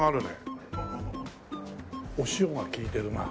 お塩が利いてるな。